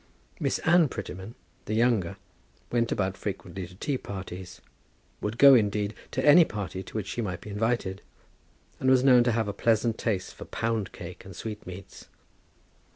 Miss Anne Prettyman, the younger, went about frequently to tea parties, would go, indeed, to any party to which she might be invited; and was known to have a pleasant taste for pound cake and sweet meats.